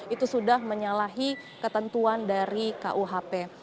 itu sudah menyalahi ketentuan dari kuhp